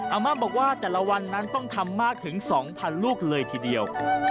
อาม่าบอกว่าแต่ละวันนั้นต้องทำมากถึง๒๐๐ลูกเลยทีเดียว